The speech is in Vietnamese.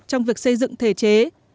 trong việc xây dựng thể chế